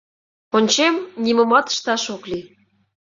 Ончем — нимомат ышташ ок лий.